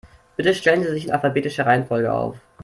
Bitte stellen Sie sich in alphabetischer Reihenfolge auf.